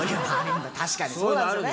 確かにそうなんですよね。